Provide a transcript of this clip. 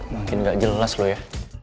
makin gak jelas lo ya